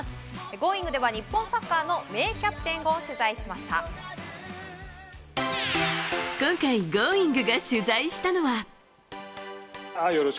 「Ｇｏｉｎｇ！」では日本サッカーの名キャプテンを今回、「Ｇｏｉｎｇ！」が取材したのは。